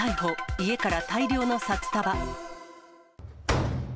家から大量の札束。